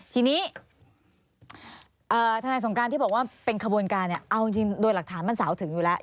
ทีนี้ทนายสงการที่บอกว่าเป็นขบวนการเนี่ยเอาจริงโดยหลักฐานมันสาวถึงอยู่แล้ว